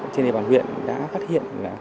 trên địa bàn huyện đã phát hiện